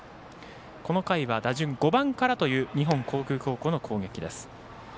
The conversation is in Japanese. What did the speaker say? この回は、打順５番からという日本航空高校の攻撃です。